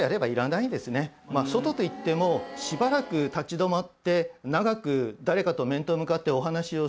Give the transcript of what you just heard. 外といってもしばらく立ち止まって長く誰かと面と向かってお話をする。